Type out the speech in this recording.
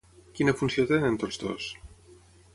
Quina funció tenen tots dos?